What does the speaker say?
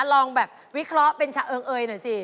ลองแบบวิเคราะห์เป็นชะเอิงเอยหน่อยสิ